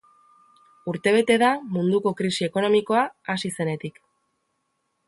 Urtebete da munduko krisi ekonomikoa hasi zenetik.